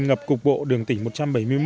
ngập cục bộ đường tỉnh một trăm bảy mươi một